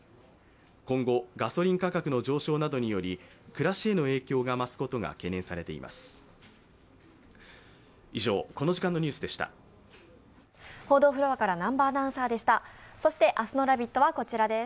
今後、ガソリン価格などの上昇により暮らしへの影響が増すことが懸念されています。